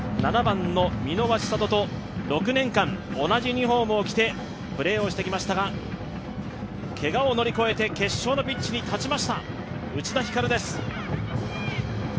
７番の箕輪千慧と６年間、同じユニフォームを着てプレーしてきましたがけがを乗り越えて決勝のピッチに立ちました、内田光です。